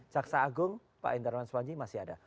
jaksa agung pak intarwan swaji masih ada